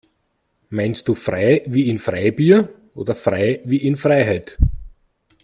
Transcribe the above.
Meinst du frei wie in Freibier oder frei wie in Freiheit?